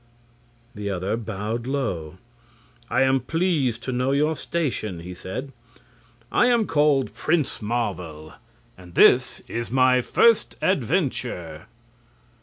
The other bowed low. "I am pleased to know your station," he said. "I am called Prince Marvel, and this is my first adventure."